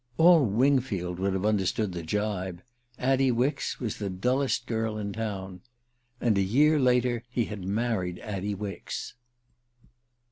All Wingfield would have understood the gibe: Addie Wicks was the dullest girl in town. And a year later he had married Addie Wicks...